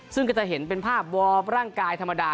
ซึ่งก็จะเห็นเป็นภาพวอร์ร่างกายธรรมดา